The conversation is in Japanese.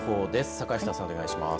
坂下さん、お願いします。